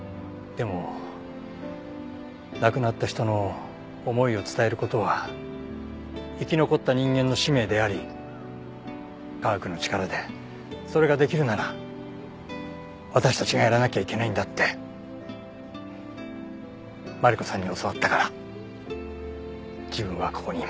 でも亡くなった人の思いを伝える事は生き残った人間の使命であり科学の力でそれができるなら私たちがやらなきゃいけないんだってマリコさんに教わったから自分はここにいます。